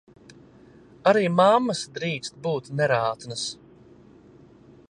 Arī mammas drīkst būt nerātnas!